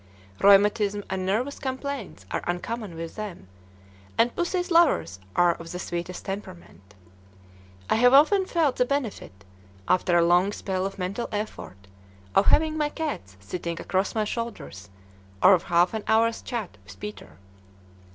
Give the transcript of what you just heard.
Rheumatism and nervous complaints are uncommon with them, and Pussy's lovers are of the sweetest temperament. I have often felt the benefit, after a long spell of mental effort, of having my cats sitting across my shoulders, or of half an hour's chat with Peter."